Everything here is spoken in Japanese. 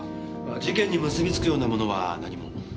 事件に結びつくようなものは何も。